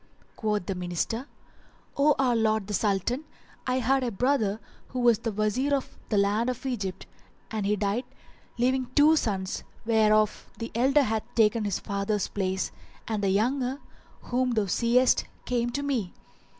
Quoth the Minister, "O our lord the Sultan, I had a brother who was Wazir in the land of Egypt and he died, leaving two sons, whereof the elder hath taken his father's place and the younger, whom thou seest, came to me.